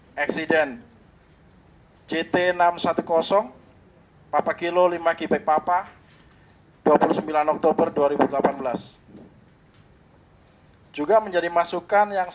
kami berharap agar hasil investigasi dari knkt ini dapat menjadi titik awal proses investigasi